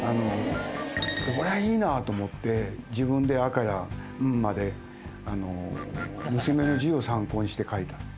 これはいいなと思って自分で「あ」から「ん」まで娘の字を参考にして書いた。